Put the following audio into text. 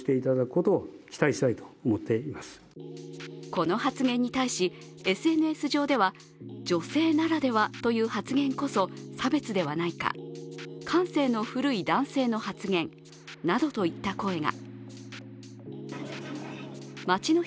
この発言に対し、ＳＮＳでは女性ならではという発言こそ差別ではないか、感性の古い男性の発言などといった声が。